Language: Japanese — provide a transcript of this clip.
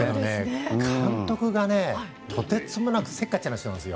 監督がとてつもなくせっかちな人なんですよ。